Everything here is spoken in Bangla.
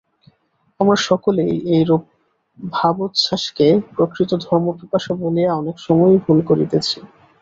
আমরা সকলেই এইরূপ ভাবোচ্ছ্বাসকে প্রকৃত ধর্মপিপাসা বলিয়া অনেক সময়ই ভুল করিতেছি।